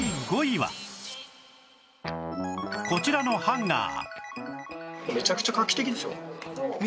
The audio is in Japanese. こちらのハンガー